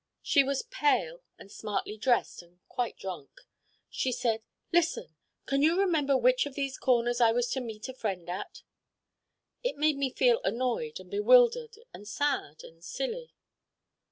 She was pale and smartly dressed and quite drunk. She said, 'Listen can you remember which of these corners I was to meet a friend at?' It made me feel annoyed and bewildered and sad and silly.